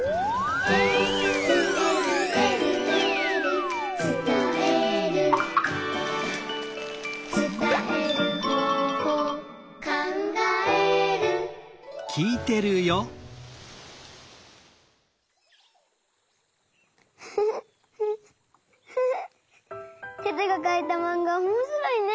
「えるえるえるえる」「つたえる」「つたえる方法」「かんがえる」テテがかいたマンガおもしろいね！